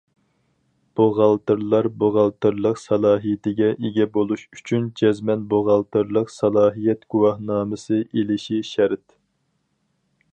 بوغالتىرلار، بوغالتىرلىق سالاھىيىتىگە ئىگە بولۇش ئۈچۈن جەزمەن بوغالتىرلىق سالاھىيەت گۇۋاھنامىسى ئېلىشى شەرت.